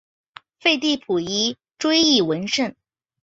废帝溥仪追谥文慎。